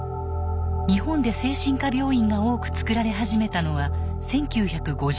日本で精神科病院が多くつくられ始めたのは１９５０年代。